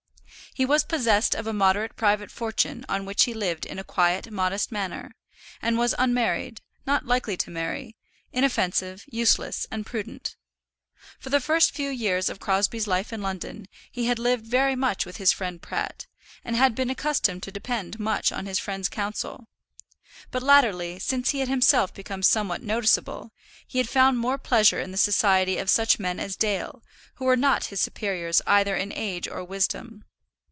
He was possessed of a moderate private fortune on which he lived in a quiet, modest manner, and was unmarried, not likely to marry, inoffensive, useless, and prudent. For the first few years of Crosbie's life in London he had lived very much with his friend Pratt, and had been accustomed to depend much on his friend's counsel; but latterly, since he had himself become somewhat noticeable, he had found more pleasure in the society of such men as Dale, who were not his superiors either in age or wisdom.